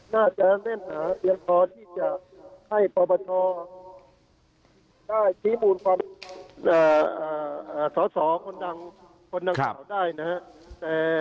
น่าจะเต้นพอที่จะให้ปปชได้จริงความศรคนดังศาลได้นะครับ